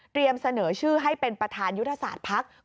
เตรียมเสนอชื่อให้เป็นประธานยุทธศาสตร์พลักษณ์